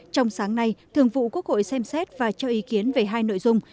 trong sáng nay thường vụ quốc hội xem xét và cho ý kiến về hai nội dung